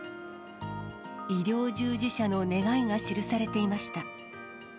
医療従事者の願いが記されていました。